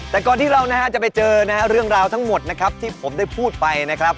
แต่ก่อนที่เราจะไปเจอเรื่องราวทั้งหมดที่ผมได้พูดไป